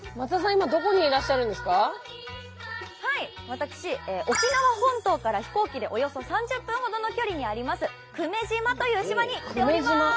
私沖縄本島から飛行機でおよそ３０分ほどの距離にあります久米島という島に来ております。